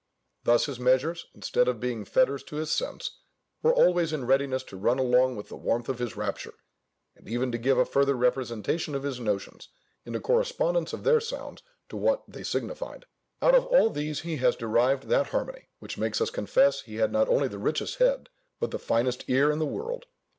Thus his measures, instead of being fetters to his sense, were always in readiness to run along with the warmth of his rapture, and even to give a further representation of his notions, in the correspondence of their sounds to what they signified. Out of all these he has derived that harmony which makes us confess he had not only the richest head, but the finest ear in the world.